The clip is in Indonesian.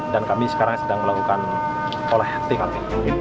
dan kami sekarang sedang melakukan oleh tkp